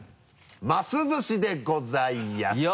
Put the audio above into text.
ます寿司でございやす！